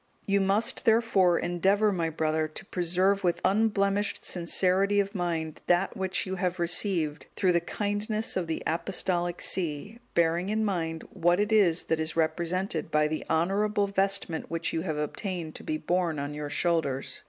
You must, therefore, endeavour, my brother, to preserve with unblemished sincerity of mind that which you have received through the kindness of the Apostolic see, bearing in mind what it is that is represented by the honourable vestment which you have obtained to be borne on your shoulders.